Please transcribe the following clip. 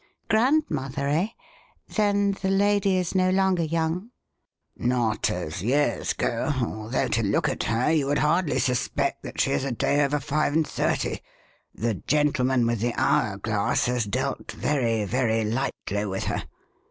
"Grandmother, eh? Then the lady is no longer young?" "Not as years go, although, to look at her, you would hardly suspect that she is a day over five and thirty. The Gentleman with the Hour Glass has dealt very, very lightly with her.